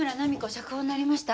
釈放になりました。